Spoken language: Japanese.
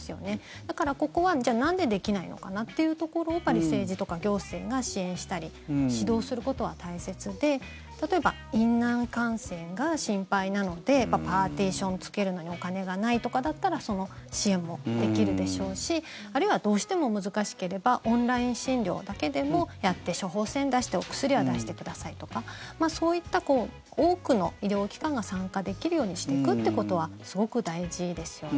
だから、ここはなんでできないのかなっていうところを政治とか行政が支援したり指導することは大切で例えば、院内感染が心配なのでパーティションをつけるのにお金がないとかだったらその支援もできるでしょうしあるいはどうしても難しければオンライン診療だけでもやって処方せん出してお薬は出してくださいとかそういった多くの医療機関が参加できるようにしていくってことはすごく大事ですよね。